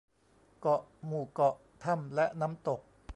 เกาะ หมู่เกาะ ถ้ำ และน้ำตก